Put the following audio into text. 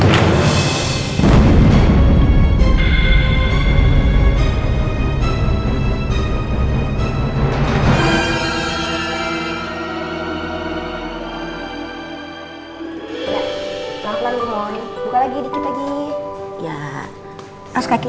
buka lagi dikit lagi